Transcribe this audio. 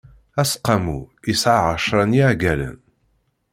Aseqqamu yesɛa ɛecṛa n iɛeggalen.